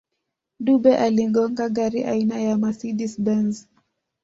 dube aliigonga gari aina ya mercedes benz